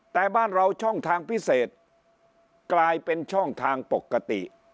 แต่บ้านเราช่องทางพิเศษกลายเป็นช่องทางปกติ